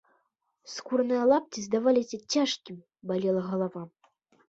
Скураныя лапці здаваліся цяжкімі, балела галава.